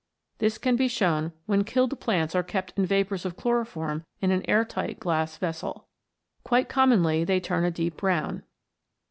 This can be shown when killed plants are kept in vapours of chloroform in an air tight glass vessel. Quite commonly they turn a deep brown.